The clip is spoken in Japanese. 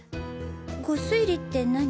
御推理って何？